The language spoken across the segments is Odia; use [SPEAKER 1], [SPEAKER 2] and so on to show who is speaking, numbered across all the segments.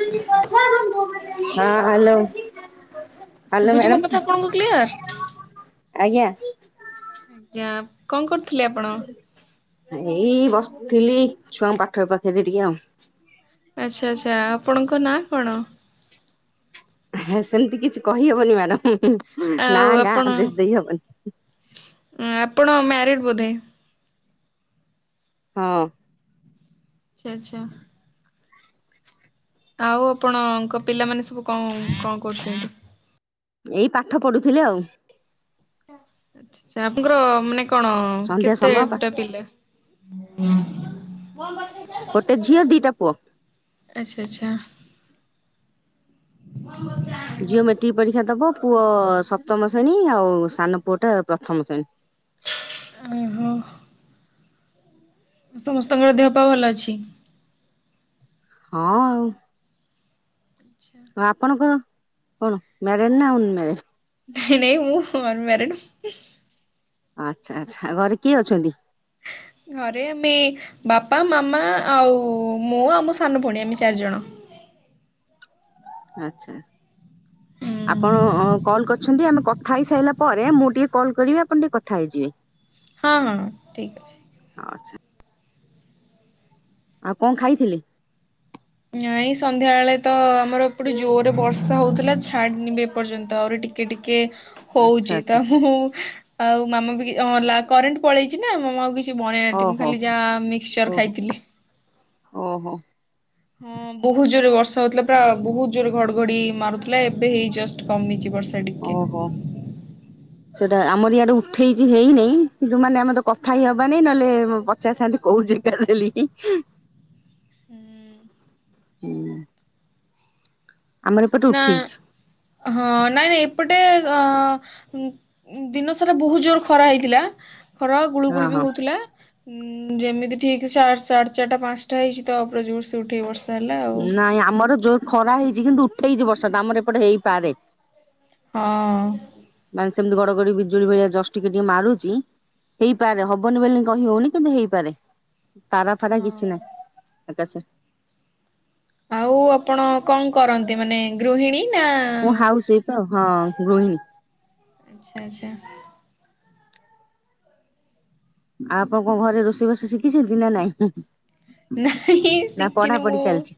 [SPEAKER 1] ହଁ ହ୍ୟାଲୋ।
[SPEAKER 2] ଶୁଭୁଛି
[SPEAKER 1] ହ୍ୟାଲୋ
[SPEAKER 2] ମୋ କଥା ଆପଣଙ୍କୁ କ୍ଲିୟର?
[SPEAKER 1] ମ୍ୟାଡ଼ାମ, ଆଜ୍ଞା।
[SPEAKER 2] ଆଜ୍ଞା କଣ କରୁଥିଲେ ଆପଣ?
[SPEAKER 1] ଏଇ ବସିଥିଲି ଛୁଆଙ୍କ ପାଠ ପାଖରେ ଟିକେ ଆଉ।
[SPEAKER 2] ଆଚ୍ଛା ଆଚ୍ଛା ଆପଣଙ୍କ ନାଁ କଣ?
[SPEAKER 1] ସେମିତି କିଛି କହିହବନି ମ୍ୟାଡମ୍
[SPEAKER 2] ଆଉ
[SPEAKER 1] ନାଁ, ଗାଁ
[SPEAKER 2] ଆପଣ
[SPEAKER 1] ଆଡ୍ରେସ ଦେଇହବନି।
[SPEAKER 2] ଆପଣ ମ୍ୟାରେଡ଼ ବୋଧେ?
[SPEAKER 1] ହଁ।
[SPEAKER 2] ଆଚ୍ଛା। ଆଉ ଆପଣଙ୍କ ପିଲାମାନେ ସବୁ କଣ କଣ କରୁଛନ୍ତି?
[SPEAKER 1] ଏଇ ପାଠ ପଢୁଥିଲି ଆଉ।
[SPEAKER 2] ଆଛା ଆଛା ଆପଣଙ୍କର ମାନେ କଣ
[SPEAKER 1] ସନ୍ଧ୍ୟା ସମୟ ପା
[SPEAKER 2] କେତେଟା ପିଲା? କଣ ଦରକାର?
[SPEAKER 1] ଗୋଟେ ଝିଅ ଦିଟା ପୁଅ।
[SPEAKER 2] ଆଚ୍ଛା ଆଚ୍ଛା।
[SPEAKER 1] ଝିଅ ମେଟ୍ରିକ ପରୀକ୍ଷା ଦବ, ପୁଅ ସପ୍ତମ ଶ୍ରେଣୀ ଆଉ ସାନ ପୁଅଟା ପ୍ରଥମ ଶ୍ରେଣୀ।
[SPEAKER 2] ଓହୋ। ସମସ୍ତଙ୍କର ଦେହ ପାଅ ଭଲ ଅଛି?
[SPEAKER 1] ହଁ ଆଉ
[SPEAKER 2] ଆଚ୍ଛା।
[SPEAKER 1] ଆଉ ଆପଣଙ୍କର କଣ ମ୍ୟାରେଡ଼୍ ନା ଅନମ୍ୟାରେଡ଼୍?
[SPEAKER 2] ନାଇଁ ନାଇ ମୁଁ ଅନ୍‌ମାରଡ।
[SPEAKER 1] ଆଚ୍ଛା ଆଚ୍ଛା ଘରେ କିଏ ଅଛନ୍ତି?
[SPEAKER 2] ଘରେ ଆମେ ବାପା ମାମା ଆଉ ମୁଁ ଆଉ ମୋ ସାନ ଭଉଣୀ ଆମେ ଚାରିଜଣ।
[SPEAKER 1] ଆଚ୍ଛା
[SPEAKER 2] ହୁଁ
[SPEAKER 1] ଆପଣ କଲ୍ କରିଛନ୍ତି ଆମେ କଥା ହେଇ ସାରିଲା ପରେ, ମୁଁ ଟିକେ କଲ୍ କରିବି, ଆପଣ ଟିକେ କଥା ହେଇଯିବେ।
[SPEAKER 2] ହଁ ହଁ ଠିକ ଅଛି।
[SPEAKER 1] ଅଚ୍ଛା ଆଉ କଣ ଖାଇଥିଲେ?
[SPEAKER 2] ନାଇଁ ସନ୍ଧ୍ୟାବେଳେ ତ ଆମର ଏପଟେ ଜୋରରେ ବର୍ଷା ହଉଥିଲା ଛାଡିନି ବି ଏପର୍ଯ୍ୟନ୍ତ ଆହୁରି ଟିକେ ଟିକେ ଟିକେ
[SPEAKER 1] ଆଚ୍ଛା
[SPEAKER 2] ହଉଛି
[SPEAKER 1] ଆଚ୍ଛା
[SPEAKER 2] ତ ମୁଁ, ଆଉ ମାମା ବି ହଁ କରେଣ୍ଟ ପଳେଇଛି ନା ମାମା ଆଉ କିଛି କିଛି ବନେଇନାହାନ୍ତି ମୁଁ
[SPEAKER 1] ଓହୋ
[SPEAKER 2] ଖାଲି ଯାହା ମିକ୍ସଚର
[SPEAKER 1] ଓହୋ
[SPEAKER 2] ଖାଇଥିଲି।
[SPEAKER 1] ଓହୋ।
[SPEAKER 2] ହଁ। ବହୁତ ଜୋରରେ ବର୍ଷା ହଉଥିଲା ପୁରା ବହୁତ ଜୋରରେ ଘଡଘଡି ମାରୁଥିଲା। ଏବେ ହେଇ ଜଷ୍ଟ କମିଛି ବର୍ଷା ଟି
[SPEAKER 1] ଓହୋ।
[SPEAKER 2] [inaudible]
[SPEAKER 1] ସେଇଟା ଆମର ଇଆଡୁ ଉଠେଇଛି ହେଇନାଇଁ କିନ୍ତୁ ମାନେ ଆମେ ତ କଥା ହି ହବ ନାଇ ନହେଲେ ପଚାରିଥାନ୍ତି କୋଉ ଜିକା ଦେଲି [inaudible]
[SPEAKER 2] ହୁଁ
[SPEAKER 1] ହୁଁ ଆମର ଏପଟେ
[SPEAKER 2] ନା
[SPEAKER 1] ଉଠେଇଛି।
[SPEAKER 2] ହଁ ନାଇଁ ନାଇଁ ଏପଟେ ଅ ଦିନ ସାରା ବହୁତ ଜୋର ଖରା ହେଇଥିଲା, ଖରା
[SPEAKER 1] ହଁ
[SPEAKER 2] ଗୁଳୁଗୁଳି ବି
[SPEAKER 1] ହଁ।
[SPEAKER 2] ହଉଥିଲା। ଉଁ ଯେମିତି ଠିକ୍ ସାଢେ ଚାରିଟା, ପାଞ୍ଚଟା ହେଇଛି ତା, ଉପରେ ଜୋର ସେ ଉଠେଇ ବର୍ସ
[SPEAKER 1] ନାଇଁ ଆମର ଜୋର ଖରା ହେଇଛି, କିନ୍ତୁ ଉଠେଇଛି ବର୍ଷା ଟା, ଆମର ଏପଟେ ହେଇପାରେ।
[SPEAKER 2] ହଁ
[SPEAKER 1] ମାନେ ସେମିତି ଗଡଗଡି ବିଜୁଳି ଭଳିଆ, ଜଷ୍ଟ ଟିକେ ଟିକେ ମାରୁଛି। ହେଇପାରେ ହବନି ବୋଲି କହି ହଉନି କିନ୍ତୁ ହେଇପାରେ ତାରା ଫାରା
[SPEAKER 2] ହଁ
[SPEAKER 1] କିଛି ନାହିଁ ଆକାଶରେ।
[SPEAKER 2] ଆଉ ଆପଣ କଣ କରନ୍ତି ମାନେ ଗୃହିଣୀ ନା?
[SPEAKER 1] ମୁଁ
[SPEAKER 2] ଆଚ୍ଛା
[SPEAKER 1] ହାଉସ୍ୱାଇଫ ଆଉ ହଁ ଗୃହିଣୀ।
[SPEAKER 2] ଆଚ୍ଛା ଆଚ୍ଛା।
[SPEAKER 1] ଆଉ ଆପଣଙ୍କ ଘରେ ରୋଷେଇବାସ ଶିଖେଇଛନ୍ତି ନା ନାଇଁ?
[SPEAKER 2] ନାଇ
[SPEAKER 1] ନା ପଢା
[SPEAKER 2] ଶିଖିନ
[SPEAKER 1] ପଢି
[SPEAKER 2] ମୁଁ।
[SPEAKER 1] ଚାଲିଛି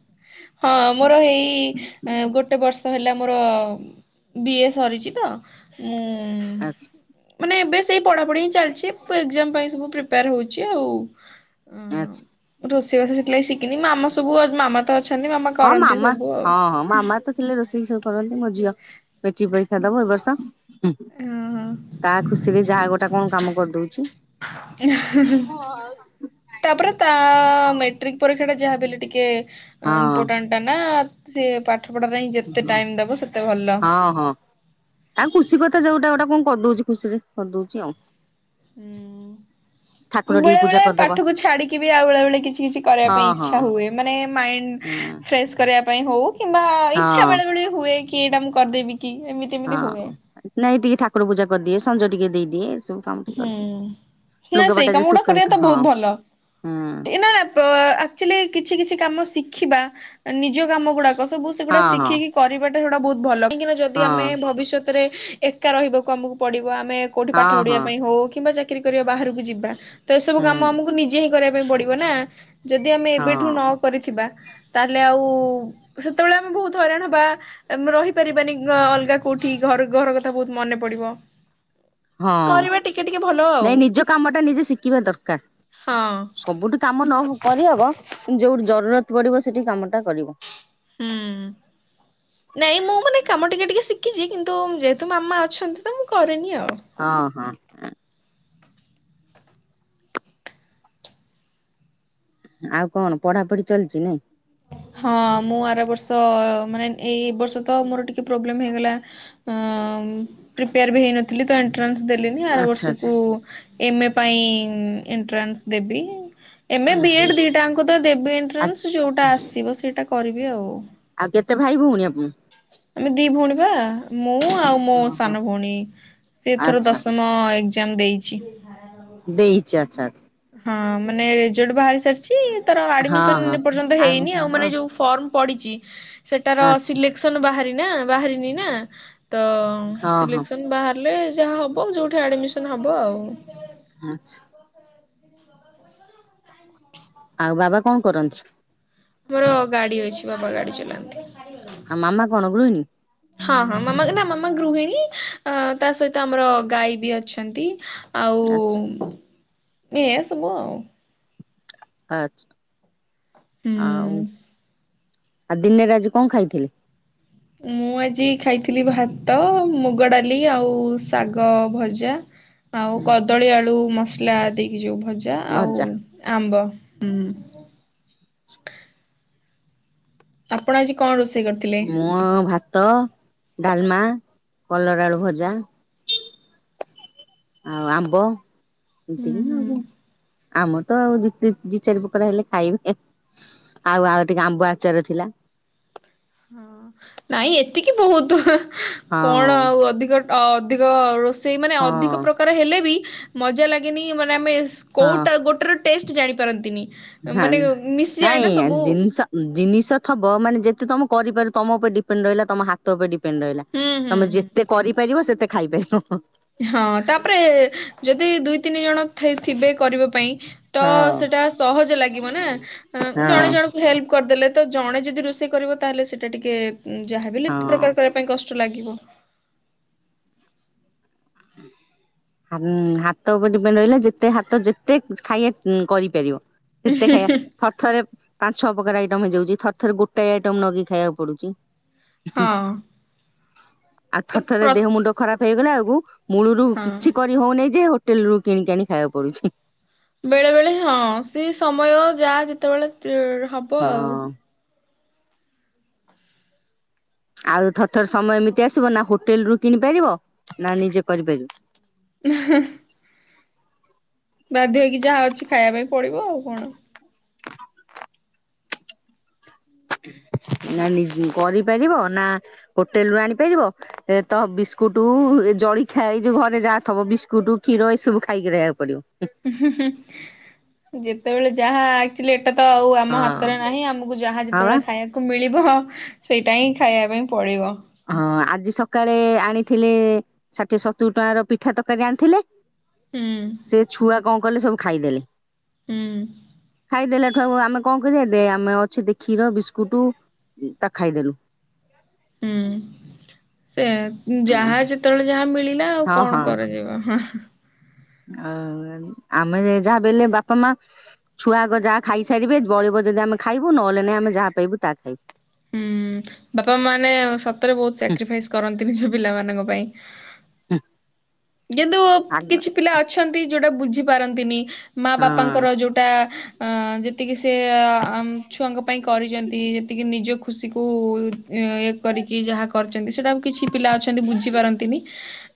[SPEAKER 2] ହଁ ମୋର ଏଇ ଗୋଟେ ବର୍ଷ ହେଲା ମୋର ବି ଏ ସରିଛି ତ ମୁଁ
[SPEAKER 1] ଆଚ୍ଛା
[SPEAKER 2] ମାନେ ଏବେ ସେଇ ପଢାପଢି ହିଁ ଚାଲିଛି, ଏକ୍ଜାମ ପାଇଁ ସବୁ ପ୍ରିପେୟାର ହଉଛି ଆଉ।
[SPEAKER 1] ଆଛ୍
[SPEAKER 2] ରୋଷେଇବାସ ସେଥିଲାଗି ଶିକିନି ମାମା ସବୁ ଅ ମାମା ତ ଅଛନ୍ତି ମାମା
[SPEAKER 1] ହଁ
[SPEAKER 2] କରନ୍ତି
[SPEAKER 1] ମାମା
[SPEAKER 2] ସବୁ ଆଉ।
[SPEAKER 1] ହଁ ହଁ
[SPEAKER 2] ଉଁହ୍
[SPEAKER 1] ମାମା ତ ଥିଲେ ରୋଷେଇ ସବୁ କରନ୍ତି ମୋ ଝିଅ ମେଟ୍ରି ପରୀକ୍ଷା ଦବ ଏ ବର୍ଷ। ହୁଁ ତା ଖୁସିରେ ଯାହା ଗୋଟା କଁ କାମ କରି ଦଉଚି।
[SPEAKER 2] ଏଁ ହେଁ ହେଁ। ତାପରେ ତା ମେଟ୍ରିକ୍ ପରୀକ୍ଷାଟା ଯାହା ବି ହେଲେ ଟିକେ ଅଁ ଇମ୍ପୋଟାଣ୍ଟ୍। ବାନାତ୍ ସିଏ ପାଠ ପଢା ପାଇଁ ଯେତେ ଟାଇମ୍ ଦବ ସେତେ ଭଲ।
[SPEAKER 1] ହଁ ହଁ। ତା ଖୁସି କଥା ଯୋଉଟା ଗୋଟା କଁ କରି ଦଉଚି ଖୁସିରେ କରି ଦଉଚି ଆଉ।
[SPEAKER 2] ହୁଁ।
[SPEAKER 1] ଠାକୁର ଟିକେ ପୂଜା
[SPEAKER 2] ଏ
[SPEAKER 1] କରିଦବା
[SPEAKER 2] ପାଠୁକୁ ଛାଡିକି ବି ଆଉ ବେଳେବେଳେ କିଛି କିଛି କରିବା
[SPEAKER 1] ହଁ
[SPEAKER 2] ପାଇଁ
[SPEAKER 1] ହଁ
[SPEAKER 2] ଇଛା ହୁଏ ମାନେ ମାଇଣ୍ଡ୍
[SPEAKER 1] ହଁ
[SPEAKER 2] ଫ୍ରେସ୍ କରିବା ପାଇଁ ହଉ କିମ୍ବା
[SPEAKER 1] ହଁ
[SPEAKER 2] ଇଚ୍ଛା ବେଳେ ବେଳେ ବି ହୁଏ କି ଏଇଟା ମୁଁ କରିଦେବି କି ଏମି
[SPEAKER 1] ହଁ ନାଇଁ ଟିକେ ଠାକୁର ପୂଜା କରିଦିଏ ସଞ୍ଜ ଟିକେ ଦେଇଦିଏ ଏସବୁ କାମ ଟିକେ
[SPEAKER 2] ହୁଁ
[SPEAKER 1] କରିଦିଏ
[SPEAKER 2] ନା ସେଇ
[SPEAKER 1] ଲୁଗାପଟା ଯେ
[SPEAKER 2] କାମଗୁଡା
[SPEAKER 1] ଶୁଖେଇ
[SPEAKER 2] କରିବା ତ
[SPEAKER 1] ହଁ
[SPEAKER 2] ବୋହୁତ ଭଲ
[SPEAKER 1] ହୁଁ
[SPEAKER 2] ଏଇନା ତ ଆକ୍ଚୁଲୀ କିଛି କିଛି କାମ ଶିଖିବା ନିଜ କାମଗୁଡାକ ସବୁ ସେଗୁଡା
[SPEAKER 1] ହଁ ହଁ
[SPEAKER 2] ଶିଖିକି କରିବାଟା ସେଗୁଡା ବୋହୁତ ଭଲ କାହିଁକିନା ଯଦି ଆମେ
[SPEAKER 1] ହଁ
[SPEAKER 2] ଭବିଷ୍ୟତରେ ଏକା ରହିବୁକୁ ଆମକୁ ପଡିବ ଆମେ କୋଉଠି ପାଠ
[SPEAKER 1] ହଁ
[SPEAKER 2] ପଢିବା
[SPEAKER 1] ହଁ
[SPEAKER 2] ପାଇଁ ହଉ କିମ୍ବା ଚାକିରି କରିବା ବାହାରକୁ ଯିବା। ତ ଏସବୁ
[SPEAKER 1] ହୁଁ
[SPEAKER 2] କାମ ଆମକୁ ନିଜେ ହିଁ କରିବା ପାଇଁ ପଡିବ ନା ଯଦି ଆମେ ଏବେଠୁ
[SPEAKER 1] ହଁ।
[SPEAKER 2] ନ କରିଥିବା ତାହେଲେ ଆଉ ସେତେବେଳେ ଆମେ ବୋହୁତ ହଇରାଣ ହବା। ଆମେ ରହିପାରିବାନି ଗ ଅଲଗା କୋଉଠି ଘର୍ ଘର କଥା ବୋହୁତ ମନେ ପଡିବ।
[SPEAKER 1] ହଁ
[SPEAKER 2] କରିବା ଟିକେ ଟିକେ ଭଲ ଆଉ
[SPEAKER 1] ନାଇଁ ନିଜ କାମଟା ନିଜେ ଶିକିବା ଦରକାର।
[SPEAKER 2] ହଁ
[SPEAKER 1] ସବୁଠି କାମ ନ ହଉ କରିହବ କିନ୍ତୁ ଯୋଉଠି ଜରୁରତ୍ ପଡିବ ସେଠି କାମଟା କରିବ।
[SPEAKER 2] ହୁଁ। ନାଇଁ ମୁଁ ମାନେ କାମ ଟିକେ ଟିକେ ଶିଖିଚି କିନ୍ତୁ ଉଁ ଯେହେତୁ ମାମା ଅଛନ୍ତି ତ ମୁଁ କରେନି ଆଉ।
[SPEAKER 1] ହଁ ହଁ। ହୁଁ ଆଉ କଣ ପଢାପଢି ଚାଲଚି ନାଇଁ।
[SPEAKER 2] ହଁ ମୁଁ ଆର ବର୍ଷ ମାନେ ଏଇ ବର୍ଷ ତ ମୋର ଟିକେ ପ୍ରୋବ୍ଲେମ୍ ହେଇଗଲା। ଅଁ ଉଁ ପ୍ରିପେୟାର ବି ହେଇନ ଥିଲି ତ ଏଣ୍ଟ୍ରାନ୍ସ ଦେଲିନି ଆର
[SPEAKER 1] ଆଚ୍ଛା
[SPEAKER 2] ବର୍ଷୁକୁ
[SPEAKER 1] ଆଚ୍ଛା।
[SPEAKER 2] ଏମ୍ ଏ ପାଇଁ ଉଁ ଏଣ୍ଟ୍ରାନ୍ସ ଦେବି ଏମ ଏ ବି ଏଡ୍ ଦିଟାଅଙ୍କ ଦେବି
[SPEAKER 1] ଆ
[SPEAKER 2] ଏଣ୍ଟ୍ରାନ୍ସ ଯୋଉଟା ଆସ୍ ସିବ ସେଇଟା କରିବି ଆଉ।
[SPEAKER 1] ଆଉ କେତେ ଭାଇ ଭଉଣୀ ଆପଣ?
[SPEAKER 2] ଆମେ ଦି ଭଉଣୀ ପା ମୁଁ ଆଉ ମୋ
[SPEAKER 1] ଓହୋ
[SPEAKER 2] ସାନ ଭଉଣୀ ସିଏ ଏଥର
[SPEAKER 1] ଆଚ୍ଛା
[SPEAKER 2] ଦଶମ୍ ମ ଏକ୍ଜାମ୍ ଦେଇଚି।
[SPEAKER 1] ଦେଇଚି ଆଚ୍ଛା ଆଚ୍ଛା।
[SPEAKER 2] ହଁ ମାନେ ରେଜଲ୍ଟ ବାହାରି ସାରିଛି ତାର
[SPEAKER 1] ହଁ
[SPEAKER 2] ଆଡମିସନ୍
[SPEAKER 1] ହଁ।
[SPEAKER 2] ଏ ପର୍ଯନ୍ତ ହେଇନି ଆଉ ମାନେ ଯୋଉ ଫର୍ମ ପଡିଚି ସେଟାର
[SPEAKER 1] ଆଚ୍ଛା
[SPEAKER 2] ସିଲେକ୍ସନ ବାହାରି ନା ବାହାରିନି ନା ତ
[SPEAKER 1] ହଁ ହଁ
[SPEAKER 2] ସିଲେକ୍ସନ ବାହାରିଲେ ଯାହା ହବ ଯୋଉଠି ଆଡମିସନ୍ ହବ ଆଉ।
[SPEAKER 1] ଆଚ୍ଛ୍ ଆଉ ବାବା କଁ କରନ୍ଥ୍?
[SPEAKER 2] ଆମର ଗାଡି ଅଛି ବାବା ଗାଡି ଚଲାନ୍ତି।
[SPEAKER 1] ଆଉ ମାମା କଣ ଗୃହିଣୀ?
[SPEAKER 2] [inaudible] ହଁ ହଁ ମାମା ନା ମାମା ଗୃହିଣୀ ଆ ତା ସହିତ ଆମର ଗାଈ ବି ଅଛନ୍ତି। ଆଉ
[SPEAKER 1] ଆଚ୍ଛା
[SPEAKER 2] ଉଁ ଏଇଆ ସବୁ ଆଉ।
[SPEAKER 1] ଆଚ୍ ଆଉ
[SPEAKER 2] ହୁଁ।
[SPEAKER 1] ଆଉ ଦିନେରେ ଆଜି କଁ ଖାଇଥିଲ୍
[SPEAKER 2] ମୁଁ ଆଜି ଖାଇଥିଲି ଭାତ ମୁଗଡାଲି ଆଉ ଶାଗଭଜା। ଆଉ କଦଳୀ ଆଳୁ ମସଲା ଦେଇକି ଯୋଉ ଭଜା ଆଉ ଆମ୍ବ ହୁଁ।
[SPEAKER 1] [inaudible]
[SPEAKER 2] ଆପଣ ଆଜି କଣ ରୋଷେଇ କରିଥିଲେ?
[SPEAKER 1] ମୁଁ ଆଉ ଭାତ, ଡାଲମା, କଲରାଆଳୁ ଭଜା। ଆଉ ଆମ୍ବ
[SPEAKER 2] ହୁଁ
[SPEAKER 1] ଏତିକି ଆଉ
[SPEAKER 2] ହୁଁ।
[SPEAKER 1] କଣ? ଆମ ତ ଆଉ ଦ ଦି ଚାରି ପୋକାର ହେଲେ ଖାଇବେ ଆଉ ଆଉ ଟିକେ ଆମ୍ବୁ ଆଚାର ଥିଲା।
[SPEAKER 2] ହଁ ନାଇଁ ଏତିକି ବୋହୁତ
[SPEAKER 1] ହଁ
[SPEAKER 2] କଣ ଆଉ ଅଧିକ ଅଧିକ ରୋ ସେଇମାନେ
[SPEAKER 1] ହଁ
[SPEAKER 2] ଅଧିକ ପ୍ରକାର ହେଲେ ବି ମଜା ଲାଗନି ମାନେ ଆମେ
[SPEAKER 1] ହଁ
[SPEAKER 2] କୋଉଟା ଗୋଟରେ ଟେଷ୍ଟ ଜାଣିପାରନ୍ତିନି।
[SPEAKER 1] ହଁ
[SPEAKER 2] ମାନେ ମିଶିଯାଏ ନା
[SPEAKER 1] ନାଇଁ
[SPEAKER 2] ସବୁ
[SPEAKER 1] ଜିନଷ ଜିନିଷ ଥବ ମାନେ ଯେତେ ତମ କରିପାର ତମ ଉପରେ ଡିପେଣ୍ଡ ରହିଲା ତମ ହାତ ଉପରେ ଡିପେଣ୍ଡ ରହିଲା,
[SPEAKER 2] ହୁଁ ହୁଁ
[SPEAKER 1] ତମେ
[SPEAKER 2] ହୁଁ।
[SPEAKER 1] ଯେତେ କରିପାରିବ ସେତେ ଖାଇପାରିବ।
[SPEAKER 2] ହଁ ତାପରେ ଯଦି ଦୁଇ ତିନି ଜଣ ଥିବେ କରିବା ପାଇଁ। ତ
[SPEAKER 1] ହଁ
[SPEAKER 2] ସେଟା ସହଜ ଲାଗିବ ନା,
[SPEAKER 1] ହଁ
[SPEAKER 2] ଜଣେ ଜଣଙ୍କୁ ହେଲ୍ପ କରିଦେଲେ। ତ ଜଣେ ଯଦି ରୋଷେଇ କରିବ ତାହେଲେ ସେଇଟା ଟିକେ ଯାହାବ ଲତ
[SPEAKER 1] ହଁ
[SPEAKER 2] ପ୍ରକାର କରିବା ପାଇଁ କଷ୍ଟ ଲାଗିବ। [inaudible]
[SPEAKER 1] ହାତ ଉପରେ ଡିପେଣ୍ଡ ରହିଲା ଯେତେ ହାତ ଯେତେ ଖାଇବା କରିପାରିବ। ସେତେ ଖାଇବା ଥରଥରେ ପାଞ୍ଚ ଛଅ ପ୍ରକାର ଆଇଟମ ହେଇଯାଉଚି, ଥରେ ଥରେ ଗୋଟା ଆଇଟମ ନଗି ଖାଇବାକୁ ପଡୁଚି।
[SPEAKER 2] ହଁ।
[SPEAKER 1] ଆଉ
[SPEAKER 2] ତ
[SPEAKER 1] ଥର ଥରେ
[SPEAKER 2] ପ୍ର
[SPEAKER 1] ଦେହ ମୁଣ୍ଡ ଖରାପ ହେଇଗଲା ବେଳକୁ ମୂଳୁରୁ
[SPEAKER 2] ହଁ
[SPEAKER 1] କିଛି ହଉନିଁ ଯେ ହୋଟେଲ ରୁ କିଣି ଆଣି ଖାଇବା ପଡୁଚି।
[SPEAKER 2] ବେଳେ ବେଳେ ହଁ ସେ ସମୟ ଯା ଯେତେବେଳେ ହବ ଆଉ।
[SPEAKER 1] ହଁ ଆଉ ଥର ଥର ସମୟ ଏମିତି ଆସିବ ନା ହୋଟେଲ ରୁ କିଣିପାରିବ, ନା ନିଜେ କରିପାରିବ।
[SPEAKER 2] [unintelligible] ବାଧ୍ୟ ହେଇକି ଯାହା ଅଛି ଖାଇବା ପାଇଁ ପଡିବ ଆଉ କଣ।
[SPEAKER 1] ନା ନି କରିପାରିବ ନା ହୋଟେଲ ରୁ ଆଣିପାରିବ। ଏ ତ ବିସ୍କୁଟ ଜଳ ଖ ଏଇ ଯୋଉ ଘରେ ଯାହା ଥବ ବିସ୍କୁଟ କ୍ଷୀର ଏସବୁ ଖାଇକି ରହିବାକୁ ପଡିବ।
[SPEAKER 2] ଯେତେବେଳେ ଯାହା ଲ ଏଟା ତ ଆଉ
[SPEAKER 1] ହଁ
[SPEAKER 2] ଆମ ହାତରେ ନାହିଁ ଆମକୁ ଯାହା
[SPEAKER 1] ହଁ ବା।
[SPEAKER 2] ଯେତେବେଳେ ଖାଇବା କୁ ମିଳିବ ସେଇଟା ହିଁ ଖାଇବା ପାଇଁ ପଡ଼ିବ।
[SPEAKER 1] ହଁ ଆଜି ସକାଳେ ଆଣିଥିଲେ ଷାଠିଏ ସତୁରି ଟଙ୍କାର ପିଠା ତରକାରୀ ଆଣିଥି
[SPEAKER 2] ହୁଁ
[SPEAKER 1] ସେ ଛୁଆ କଣ କଲେ ସବୁ ଖାଇଦେଲେ।
[SPEAKER 2] ହୁଁ
[SPEAKER 1] ଖାଇଦେଲେ ଠୁ ଆମେ କଣ କରିବା ଦେ ଆମେ ଅ କ୍ଷୀର ବିସ୍କୁଟ ତାକୁ ଖାଇଦେଲୁ।
[SPEAKER 2] ହୁଁ ସେ
[SPEAKER 1] ହଁ
[SPEAKER 2] ଯାହା ଯେତେବେଳେ ଯାହା ମିଳିଲା। ଆଉ
[SPEAKER 1] ହଁ
[SPEAKER 2] କଣ କରାଯିବ।
[SPEAKER 1] ଆ ଆମେ ଯାହା ବଲେ ବାପା ମା ଛୁଆଗ ଯାହା ଖାଇସାରିବେ ବଳିବ ଯଦି ଆମେ ଖାଇବୁ, ନହେଲେଇ ଆମେ ଯାହା ପାଇବୁ ତାହା ଖାଇବୁ।
[SPEAKER 2] ହୁଁ ବାପା ମାନେ ସତରେ ବହୁତ
[SPEAKER 1] ହୁଁ
[SPEAKER 2] ସାକ୍ରିଫାଇସ କରନ୍ତି ନିଜ ପିଲାମାନଙ୍କ ପାଇଁ।
[SPEAKER 1] ହଁ।
[SPEAKER 2] କିନ୍ତୁ କିଛି ପିଲା ଅଛନ୍ତି ଯୋଉଟା ବୁଝି ପାରନ୍ତିନି ମା
[SPEAKER 1] ହଁ
[SPEAKER 2] ବାପାଙ୍କର ଯୋଉ ଟା ଯେତିକି ସେ ଆମ ପାଇଁ କରିଛନ୍ତି ଯେତିକି ନିଜ ଖୁସିକୁ ଇ କରିକି ଯାହା କରିଛନ୍ତି ସେଟା ଆ କିଛି ପିଲା ଅଛନ୍ତି ବୁଝି ପାରନ୍ତିନି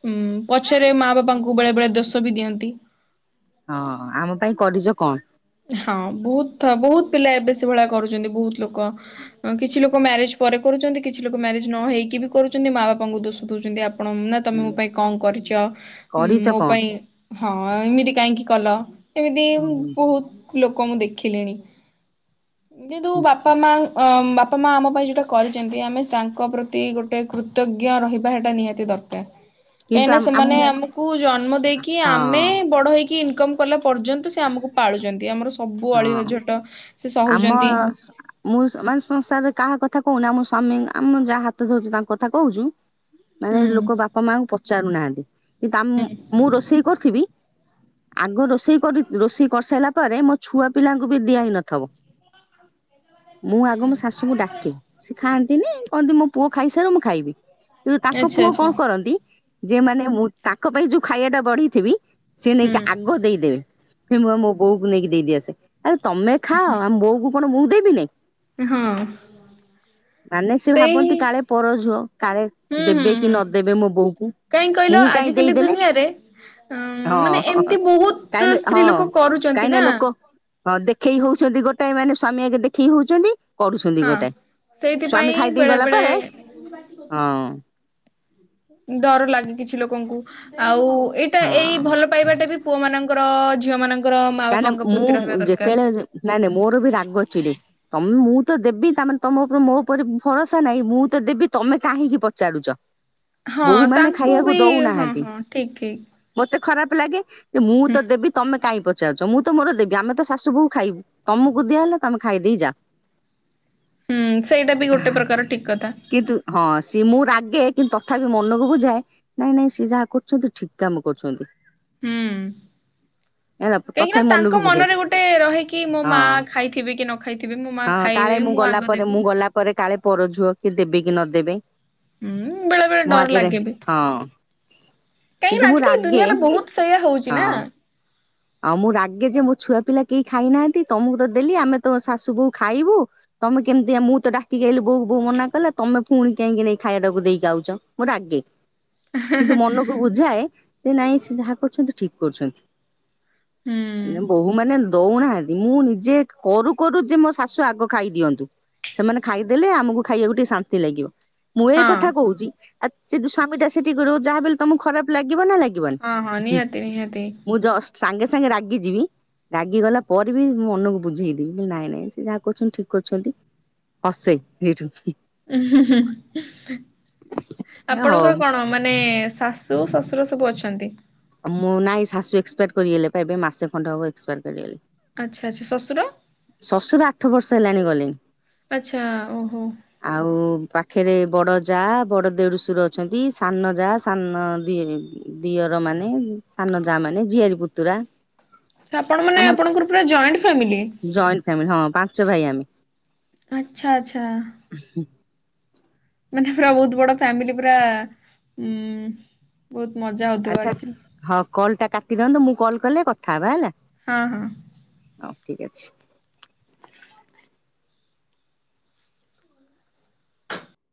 [SPEAKER 2] ଉଁ ପଛରେ ମା ବାପାଙ୍କୁ ବେଳେ ବେଳେ ଦୋଷ ବି ଦିଅନ୍ତି।
[SPEAKER 1] ହଁ ଆମ ପାଇଁ କରି କଣ?
[SPEAKER 2] ହଁ ବୋହୁତ ବୋହୁତ ପିଲା ଏବେ ସେ ଭଳିଆ କରୁଚନ୍ତି ବୋହୁତ ଲୋକ। କିଛି ଲୋକ ମ୍ୟାରେଜ ପରେ କରୁଚନ୍ତି କିଛି ଲୋକ ମ୍ୟାରେଜ ନ ହେଇକି ବି କରୁଚନ୍ତି ମା ବାପାଙ୍କୁ ଦୋଷ ଦଉଚନ୍ତି। ଆ ଆପଣ ନା ତମେ ମୋ ପାଇଁ କଣ କରିଚ ଉ
[SPEAKER 1] କରିଛ
[SPEAKER 2] ମୋ
[SPEAKER 1] କଣ?
[SPEAKER 2] ପାଇଁ ହଁ ଏମିତି କାହିଁକି କଲ ଏମିତି
[SPEAKER 1] ହୁଁ
[SPEAKER 2] ବୋହୁତ ଲୋକ ମୁଁ ଦେଖିଲିଣି। କିନ୍ତୁ
[SPEAKER 1] ହୁଁ
[SPEAKER 2] ବାପା ମା ବାପା ମା ଆମ ପାଇଁ ଯେଉଁଟା କରିଛନ୍ତି ଆମେ ତାଙ୍କ ପ୍ରତି ଗୋଟେ କୃତଜ୍ଞ ରହିବା ଏଟା ନିହାତି ଦରକାର। [unintelligible]
[SPEAKER 1] କିନ୍ତୁ
[SPEAKER 2] କାହିଁନା
[SPEAKER 1] ଆମ ଆମ
[SPEAKER 2] ସେମାନେ
[SPEAKER 1] ହଁ
[SPEAKER 2] ଆମକୁ ଜନ୍ମ ଦେଇକି ଆମେ ବଡ ହେଇକି ଇନକମ କଲା ପର୍ଯ୍ୟନ୍ତ ସେ ଆମକୁ ଛନ୍ତି ଆମର ସବୁ ଅଳି
[SPEAKER 1] ହଁ
[SPEAKER 2] ଅଝଟ ସେ
[SPEAKER 1] ଆମ
[SPEAKER 2] ସହୁଛନ୍ତି।
[SPEAKER 1] [inaudible] ମୁଁ ମାନେ ସଂସାରରେ କାହା କଥା କହୁନି ଆମ ସ୍ୱାମୀ ଆମ ଯାହା ହାତ ଧରୁଚୁ ତାଙ୍କ କଥା କହୁଚୁ ମାନେ
[SPEAKER 2] ହୁଁ
[SPEAKER 1] ଲୋକ ବାପା ମାଙ୍କୁ ପଚାରୁନାହାନ୍ତି। କିନ୍ ଆମ୍
[SPEAKER 2] ହୁଁ
[SPEAKER 1] ମୁଁ ରୋଷେଇ କରୁଥିବି ଆଗ ରୋଷେଇ କରି ରୋଷେଇ କରିସାରିଲା ପରେ ମୋ ଛୁଆ ପିଲାଙ୍କୁ ବି ଦିଆହୋଇନଥିବ। ମୁଁ ଆଗ ମୋ ଶାଶୁଙ୍କୁ ଡାକେ। ସେ ଖାଆନ୍ତିନି କହନ୍ତି ମୋ ପୁଅ ଖାଇସାରୁ ମୁଁ ଖାଇବି। କିନ୍ତୁ ତାଙ୍କ
[SPEAKER 2] ଆଚ୍ଛା
[SPEAKER 1] ପୁଅ
[SPEAKER 2] ଆଚ୍ଛା।
[SPEAKER 1] କଣ କରନ୍ତି ଯେ ମାନେ ମୁଁ ତାଙ୍କ ପାଇଁ ଯୋଉ ଖାଇବା ଟା ବଢିଥିବି ସେ
[SPEAKER 2] ହୁଁ
[SPEAKER 1] ନେଇକି ଆଗ ଦେଇଦେବେ। ମୁ ମୋ ବୋଉକୁ ନେଇକି ଦେଇଦିଏ ଆସେ। ଆରେ ତମେ ଖାଅ ଆମ ବୋଉ କ କଣ ମୁଁ ଦେବି ନାଇ?
[SPEAKER 2] ହଁ।
[SPEAKER 1] ମାନେ ସେ
[SPEAKER 2] ସେଇ
[SPEAKER 1] ଭାବନ୍ତି କାଳେ ପର ଝୁଅ, କାଳେ ଦେବେ କି ନଦେବେ ମୋ ବୋଉ କୁ।
[SPEAKER 2] କାଇଁ କହିଲ
[SPEAKER 1] ମୁଁ କାହିଁ
[SPEAKER 2] ଆଜିକାଲି
[SPEAKER 1] ଦେଇଦେଲେ
[SPEAKER 2] ଦୁନିଆରେ ଉଁ ମାନେ
[SPEAKER 1] ହଁ
[SPEAKER 2] ଏମତି ବହୁତ
[SPEAKER 1] କାହିଁ ହଁ
[SPEAKER 2] ସ୍ତ୍ରୀ ଲୋକ
[SPEAKER 1] କାହିଁ
[SPEAKER 2] କରୁଚନ୍ତି ନା?
[SPEAKER 1] ଲୋକ ହଁ ଦେଖେଇ ହଉଚନ୍ତି ଗୋଟାଏ ମାନେ ସ୍ୱାମୀ ଆଗେ ଦେଖେଇ ହଉଚନ୍ତି କରୁଚନ୍ତି
[SPEAKER 2] ହଁ।
[SPEAKER 1] ଗୋଟେ। ସ୍ଵାମୀ
[SPEAKER 2] ସେଇଥିପାଇଁ
[SPEAKER 1] ଖାଇଦେଇ
[SPEAKER 2] ବେଳେ
[SPEAKER 1] ଗଲା ପରେ
[SPEAKER 2] ବେଳେ
[SPEAKER 1] ହଁ।
[SPEAKER 2] ଡର ଲାଗେ କିଛି ଲୋକଙ୍କୁ। ଆଉ ଏଇଟା ଏଇ
[SPEAKER 1] ହଁ
[SPEAKER 2] ଭଲ ପାଇବାଟା ବି ପୁଅ ମାନଙ୍କର ଝିଅ ମାନଙ୍କର ମା
[SPEAKER 1] କାହିଁକିନା
[SPEAKER 2] ବାପାଙ୍କ
[SPEAKER 1] ମୁଁ
[SPEAKER 2] ପ୍ରତି ରହିବା ଦରକାର।
[SPEAKER 1] ଯେତେବେଳେ ନାଇଁ ନାଇଁ ମୋର ବି ରାଗ ଚିଡେ। ତମେ ମୁଁ ତ ଦେବି, ତା ମାନେେ ତମ ଉପରେ ମୋ ଉପରେ ଭରସା ନାହିଁ। ମୁଁ ତ ଦେବି ତମେ କାହିଁକି ପଚାରୁଚ?
[SPEAKER 2] ହଁ ତାଙ୍କୁ ବି ହଁ
[SPEAKER 1] ଦଉନାହାନ୍ତି
[SPEAKER 2] ହଁ ଠିକ ଠିକ।
[SPEAKER 1] ମତେ ଖରାପ ଲାଗେ। ଯେ ମୁଁ
[SPEAKER 2] ହୁଁ।
[SPEAKER 1] ତ ଦେବି ତମେ କାହିଁ ପ ଚରୁଚ, ମୁଁ ତ ମୋର ଦେବି ଆମେ ତ ଶାଶୂ ବୋହୂ ଖାଇବୂ। ତମକୁ ଦିଆ ହେଲା ତମେ ଖାଇଦେଇ ଯାଅ।
[SPEAKER 2] ହୁଁ ସେଇଟା ବି ଗୋଟେ ପ୍ରକାର ଠିକ କଥା।
[SPEAKER 1] କିନ୍ତୁ ହଁ ସିଏ ମୁଁ ରାଗେ କିନ୍ତୁ ତଥାପି ମନକୁ ବୁଝାଏ। ନାଇଁ ନାଇଁ ସିଏ ଯାହା କରୁଚନ୍ତି ଠିକ କାମ କରୁଛନ୍ତି।
[SPEAKER 2] ହୁଁ।
[SPEAKER 1] ହେଲା
[SPEAKER 2] କାହିଁକିନା
[SPEAKER 1] ତଥାପି ମନକୁ
[SPEAKER 2] ତାଙ୍କ
[SPEAKER 1] ବୁଝାଏ
[SPEAKER 2] ମନରେ ଗୋଟେ ରହେ କି, ମୋ ମା
[SPEAKER 1] ହଁ
[SPEAKER 2] ଖାଇଥିବେ କି ନ ଖାଇ ଥିବେ ମୋ ମା
[SPEAKER 1] ହଁ କାଳେ
[SPEAKER 2] ଖାଇବେ। ମୁଁ
[SPEAKER 1] ଗଲା
[SPEAKER 2] ଆଗ
[SPEAKER 1] ପରେ ମୁଁ
[SPEAKER 2] ଦେବି।
[SPEAKER 1] ଗଲା ପରେ କାଳେ ପର ଝୁଅ କି ଦେବେ କି ନଦେବେ।
[SPEAKER 2] ହୁଁ ବେଳେ ବେଳେ
[SPEAKER 1] ମୁଁ
[SPEAKER 2] ଡର
[SPEAKER 1] ଆଗରେ
[SPEAKER 2] ଲାଗେ ବି।
[SPEAKER 1] ହଁ,
[SPEAKER 2] କାହିଁକି
[SPEAKER 1] କିନ୍ତୁ
[SPEAKER 2] ନା
[SPEAKER 1] ମୁଁ
[SPEAKER 2] ଆଜିକାଲି
[SPEAKER 1] ରାଗେ
[SPEAKER 2] ଦୁନିଆରେ ବହୁତ ସେଇଆ ହଉଛି ନା
[SPEAKER 1] ହଁ। ଆଉ ମୁଁ ରାଗେ ଯେ ମୋ ଛୁଆ ପିଲା କେହି ଖାଇନାହାନ୍ତି। ତମକୁ ତ ଦେଲି ଆମେ ତ ଶାଶୁ ବୋଉ ଖାଇବୁ। ତମେ କେମିତି ମୁଁ ତ ଡାକି ଆଇଲି ବୋଉ ବୋଉ ମନା କଲେ। ତମେ ପୁଣି କାହିଁକି ନେଇ ଖାଇବାଟା କୁ ଦେଇକି ଆଉଚ ମୁଁ ରାଗେ।
[SPEAKER 2] [inaudible]
[SPEAKER 1] କିନ୍ତୁ ମନକୁ ବୁଝାଏ, ଯେ ନାଇଁ ସେ ଯାହା କରୁଚନ୍ତି ଠିକ କରୁଚନ୍ତି।
[SPEAKER 2] ହୁଁ।
[SPEAKER 1] ଯେ ବୋହୂ ମାନେ ଦଉନାହାନ୍ତି, ମୁଁ ନିଜେ କରୁ କରୁ ଯେ ମୋ ଶାଶୁ ଆଗ ଖାଇଦିଅନ୍ତୁ। ସେମାନେ ଖାଇଦେଲେ ଆମକୁ ଖାଇବାକୁ ଟିକେ ଶାନ୍ତି ଲାଗିବ। ମୁଁ ଏ
[SPEAKER 2] ହଁ
[SPEAKER 1] କଥା କହୁଚି। ଆ ଯଦି ସ୍ଵାମୀ ଟା ସେଠିକି କରିବ ଯାହା ବି ହେଲେ ତମକୁ ଖରାପ ଲାଗିବ ନା ଲାଗି
[SPEAKER 2] ହଁ ହଁ
[SPEAKER 1] ବନି
[SPEAKER 2] ନିହାତି ନିହାତି
[SPEAKER 1] ମୁଁ ଜଷ୍ଟ ସାଙ୍ଗେ ସାଙ୍ଗେ ରାଗି ଯିବି। ରାଗିଗଲା ପରେ ବି ମନକୁ ବୁଝେଇଦବି ନାଇଁ ନାଇଁ ସେ ଯାହା କରୁଚନ୍ତି ଠିକ କରୁଚନ୍ତି। ହସେ ସେଇଠୁ। ହଉ
[SPEAKER 2] ଆପଣଙ୍କର କଣ ମାନେ ଶା ଶୁ ଶ୍ୱଶୁର ସବୁ ଅଛନ୍ତି?
[SPEAKER 1] ଆ ମୁଁ ନାଇଁ, ଶାଶୁ ଏକ୍ସପାୟାରଡ କରିଗଲେ ଏବେ ମାସେ ଖଣ୍ଡ ହବ ଏକ୍ସପାୟାର କରିଗଲେ।
[SPEAKER 2] ଆଚ୍ଛା ଆଚ୍ଛା ଶ୍ୱଶୁର?
[SPEAKER 1] ଶ୍ୱଶୁର ଆଠ ବର୍ଷ ହେଲାଣି ଗଲେଣି।
[SPEAKER 2] ଆଛା ଓହୋ।
[SPEAKER 1] ଆଉ ପାଖରେ ବଡ ଯା ବଡ ଦେଢ଼ଶୁର ଅଛନ୍ତି। ସାନ ଯା ସାନ ଦିଅ ଦିଅର ମାନେ ସାନ ଯା ମାନେ ଝିଆରୀ ପୁତୁରା।
[SPEAKER 2] ଆପଣ ମାନେ
[SPEAKER 1] ଆମର
[SPEAKER 2] ଆପଣଙ୍କର ପୁରା ଜଏଣ୍ଟ ଫ୍ୟାମିଲି।
[SPEAKER 1] ଜଏଣ୍ଟ ଫ୍ୟାମିଲି ହଁ ପାଞ୍ଚ ଭାଇ ଆମେ।
[SPEAKER 2] ଆଚ୍ଛା ଆଚ୍ଛା।
[SPEAKER 1] ହ ହ।
[SPEAKER 2] ମାନେ ପୁରା ବହୁତ ବଡ ଫାମିଲି ପୁରା ଉଁ ବହୁତ ମଜା ହଉଥିବ
[SPEAKER 1] ଆଚ୍ଛା
[SPEAKER 2] ଆକ୍ଚୁଆଲି।
[SPEAKER 1] ହଁ କଲ ଟା କାଟି ଦିଅନ୍ତୁ, ମୁଁ କଲ କଲେ କଥା ହେବା ହେଲା।
[SPEAKER 2] ହଁ ହଁ।
[SPEAKER 1] ହଉ ଠିକ ଅଛି।